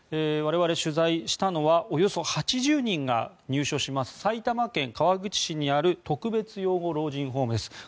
我々、取材したのはおよそ８０人が入所します埼玉県川口市にある特別養護老人ホームです。